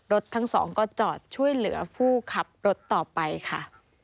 ทั้งสองก็จอดช่วยเหลือผู้ขับรถต่อไปค่ะ